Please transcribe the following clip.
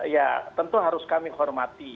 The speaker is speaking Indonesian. ya tentu harus kami hormati